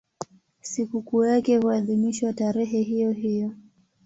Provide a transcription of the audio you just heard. Sikukuu yake huadhimishwa tarehe hiyohiyo.